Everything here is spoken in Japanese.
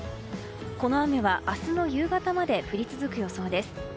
この雨は明日の夕方まで降り続く予想です。